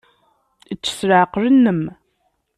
Ečč s leɛqel-nnem.